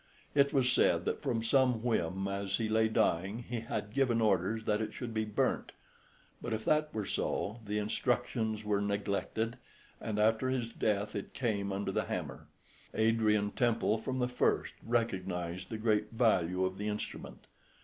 It was said that from some whim as he lay dying he had given orders that it should be burnt; but if that were so, the instructions were neglected, and after his death it came under the hammer. Adrian Temple from the first recognised the great value of the instrument.